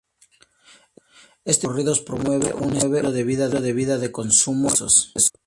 Este tipo de corridos promueve un estilo de vida de consumo y excesos.